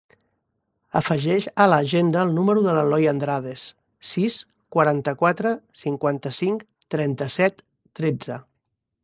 Afegeix a l'agenda el número de l'Eloy Andrades: sis, quaranta-quatre, cinquanta-cinc, trenta-set, tretze.